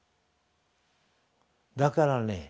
だからね